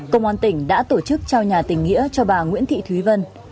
công an tỉnh đã tổ chức trao nhà tỉnh nghĩa cho bà nguyễn thị thúy vân